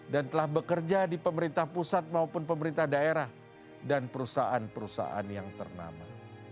dan telah bekerja di pemerintah pusat maupun pemerintah daerah dan perusahaan perusahaan yang ternama